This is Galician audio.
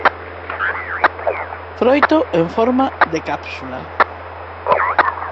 Froito en forma de cápsula.